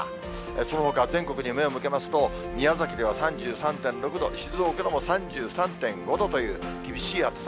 そのほか、全国に目を向けますと、宮崎では３３．６度、静岡でも３３．５度という厳しい暑さ。